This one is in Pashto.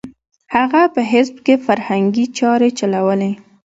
هغه په حزب کې فرهنګي چارې چلولې.